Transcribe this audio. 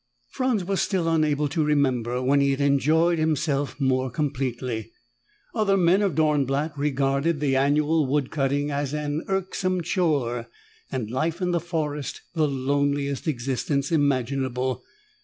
Franz was still unable to remember when he had enjoyed himself more completely. Other men of Dornblatt regarded the annual wood cutting as an irksome chore, and life in the forest the loneliest existence imaginable.